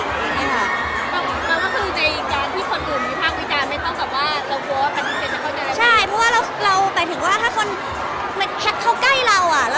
ก็คือในจารย์ที่คนอื่นมีภาควิจัน